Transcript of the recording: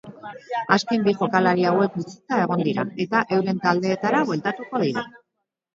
Azken bi jokalari hauek utzita egon dira, eta euren taldeetara bueltatuko dira.